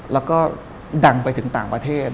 แล้วก็ดังไปถึงต่างประเทศ